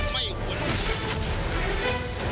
ไม่ควร